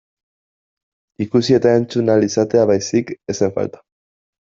Ikusi eta entzun ahal izatea baizik ez zen falta.